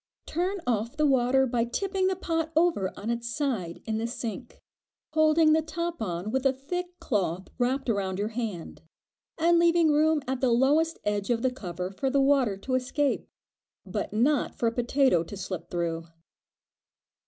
Turn off the water by tipping the pot over on its side in the sink, holding the top on with a thick cloth wrapped about your hand, and leaving room at the lowest edge of the cover for the water to escape, but not for a potato to slip through.